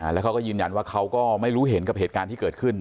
แล้วเขาก็ยืนยันว่าเขาก็ไม่รู้เห็นกับเหตุการณ์ที่เกิดขึ้น